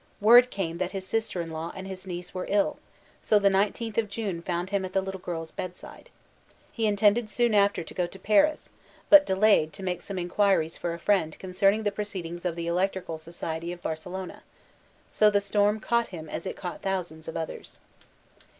Word came that his sister in law and his niece were ill, so the 19th of June found him at the little girl's bedside. He intended soon after to go to Paris, but delayed to make some inquiries for a friend concerning the proceedings of the Electrical Society of Barcelona. So the stonn caught him as it caught thou sands of others.